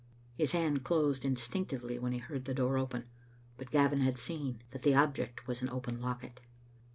His hand closed instinctively when he heard the door open, but Gavin had seen that the object was an open locket.